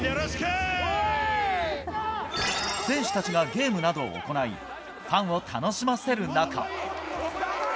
選手たちがゲームなどを行いファンを楽しませる中。